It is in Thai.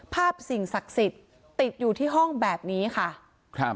สิ่งศักดิ์สิทธิ์ติดอยู่ที่ห้องแบบนี้ค่ะครับ